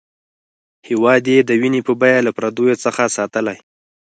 هېواد یې د وینې په بیه له پردیو څخه ساتلی.